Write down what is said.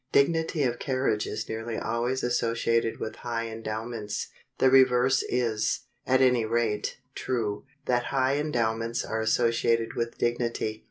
Dignity of carriage is nearly always associated with high endowments; the reverse is, at any rate, true, that high endowments are associated with dignity.